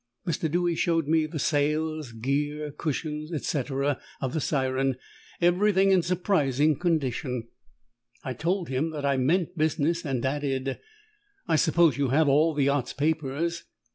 Mr. Dewy showed me the sails, gear, cushions, etc., of the Siren everything in surprising condition. I told him that I meant business, and added "I suppose you have all the yacht's papers?"